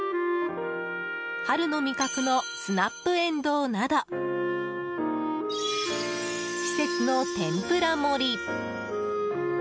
春の味覚のスナップエンドウなど季節の天ぷら盛り。